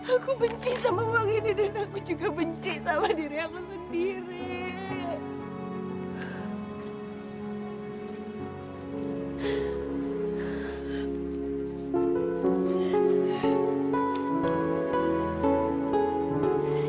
aku benci sama uang ini dan aku juga benci sama diri aku sendiri